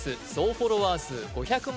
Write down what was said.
フォロワー数５００万